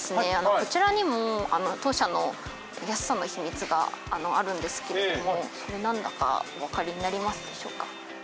こちらにも当社の安さの秘密があるんですけどもそれなんだかおわかりになりますでしょうか？